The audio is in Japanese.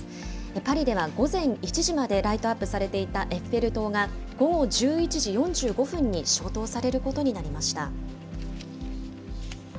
パリでは午前１時までライトアップされていたエッフェル塔が午後１１時４５分に消灯されることになりました。